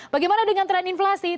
bagaimana dengan tren inflasi